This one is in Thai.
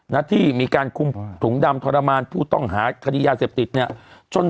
นะที่มีการคุมถุงดำทรมานผู้ต้องหาคดียาเสพติดเนี่ยจน